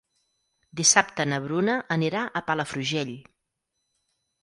Dissabte na Bruna anirà a Palafrugell.